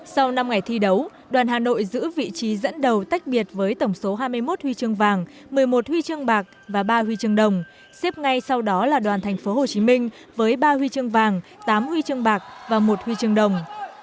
sau năm ngày thi đấu đoàn hà nội giữ vị trí dẫn đầu tách biệt với tổng số hai mươi một huy chương vàng một mươi một huy chương bạc và ba huy chương đồng xếp ngay sau đó là đoàn tp hcm với ba huy chương vàng tám huy chương bạc và một huy chương đồng